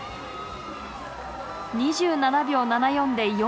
２７秒７４で４位。